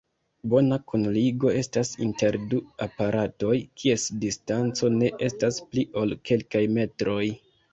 Bona kunligo estas inter du aparatoj, kies distanco ne estas pli ol kelkaj metroj.